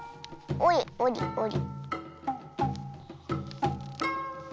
おりおりおり。